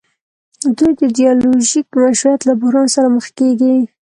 دوی د ایډیولوژیک مشروعیت له بحران سره مخ کیږي.